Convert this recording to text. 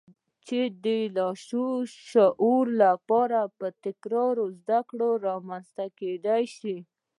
چې د لاشعور لپاره په تکراري زدهکړو رامنځته کېدای شي.